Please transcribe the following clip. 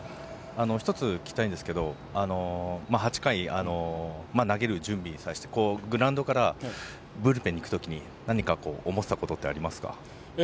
１つ聞きたいんですけど８回、投げる準備に際してグラウンドからブルペンに行く時に何か思ってたことってありますか？